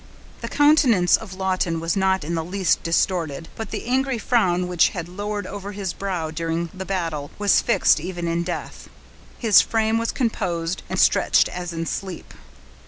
The countenance of Lawton was not in the least distorted, but the angry frown which had lowered over his brow during the battle was fixed even in death. His frame was composed, and stretched as in sleep.